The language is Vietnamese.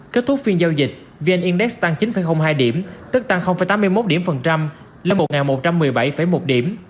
kết thúc phiên giao dịch vn index tăng chín hai điểm tức tăng tám mươi một điểm phần trăm lên một một trăm một mươi bảy một điểm